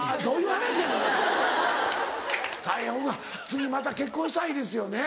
次また結婚したいですよね。